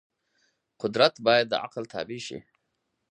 قدرت باید د عقل تابع شي.